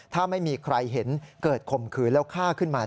ถ้าไม่มีใครเห็นเกิดข่มขืนแล้วฆ่าขึ้นมา